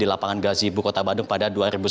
lapangan gazi ibu kota badung pada dua ribu sebelas